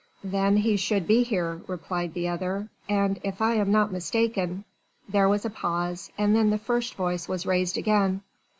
"Then he should be here," replied the other, "and if I am not mistaken...." There was a pause, and then the first voice was raised again.